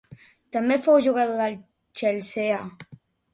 També fou jugador del Chelsea.